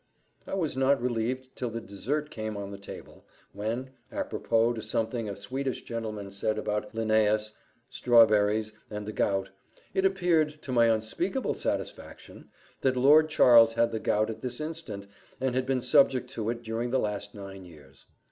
I was not relieved till the dessert came on the table, when, apropos to something a Swedish gentleman said about Linnaeus, strawberries, and the gout, it appeared, to my unspeakable satisfaction, that Lord Charles had the gout at this instant, and had been subject to it during the last nine years.